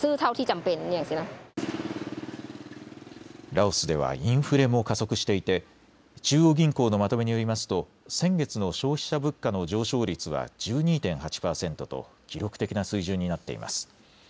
ラオスではインフレも加速していて中央銀行のまとめによりますと先月の消費者物価の上昇率は１２．８％と記録的な水準になっています。